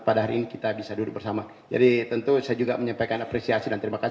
pada hari ini kita bisa duduk bersama jadi tentu saya juga menyampaikan apresiasi dan terima kasih